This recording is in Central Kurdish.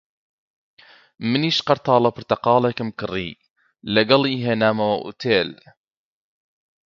منیش قەرتاڵە پرتەقاڵێکم کڕی، لەگەڵی هێنامەوە ئوتێل